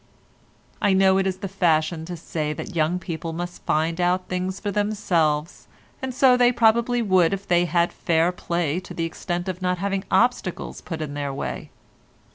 I know it is the fashion to say that young people must find out things for themselves, and so they probably would if they had fair play to the extent of not having obstacles put in their way.